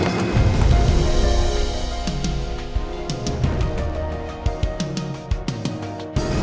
pulang ke rumah